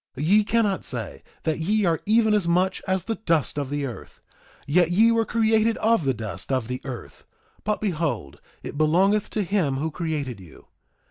Ye cannot say that ye are even as much as the dust of the earth; yet ye were created of the dust of the earth; but behold, it belongeth to him who created you.